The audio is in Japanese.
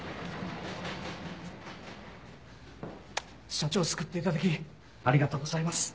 社長を救っていただきありがとうございます。